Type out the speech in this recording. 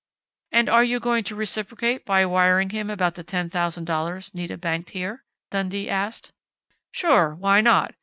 "And are you going to reciprocate by wiring him about the $10,000 Nita banked here?" Dundee asked. "Sure! Why not?